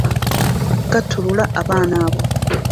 Ggattulula abaana abo.